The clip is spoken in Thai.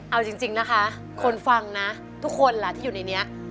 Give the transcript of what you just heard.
เอาจริงนะคะคนฟังนะทุกคนล่ะที่อยู่ในนี้